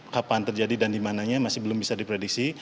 kapan terjadi dan dimananya masih belum bisa diprediksi